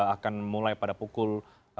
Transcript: akan mulai pada pukul tujuh belas